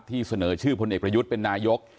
เสนอชื่อพลเอกประยุทธ์เป็นนายก